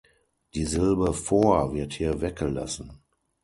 Die Silbe "vor" wird hier weggelassen.